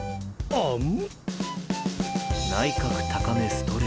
あん？